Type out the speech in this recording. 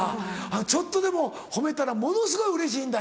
ちょっとでも褒めたらものすごいうれしいんだ。